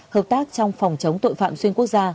hợp tác trong phòng chống tội phạm xuyên quốc gia